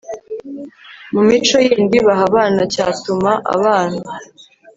mu mico yindi baha abana cyatuma abana